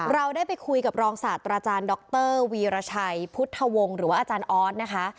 เราได้ไปคุยกับรองศาสตราจารย์ดรวีรชัยพุทธวงศ์หรือว่าอาจารย์ออสนะคะ